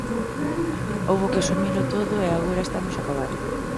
Houbo que asumilo todo e agora estamos acabando.